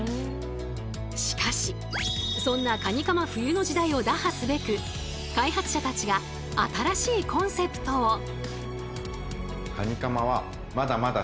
しかしそんなカニカマ冬の時代を打破すべく開発者たちが新しいコンセプトを。